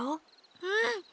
うん！